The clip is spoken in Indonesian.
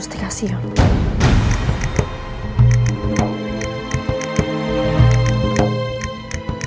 sehingga kamu bulan pertama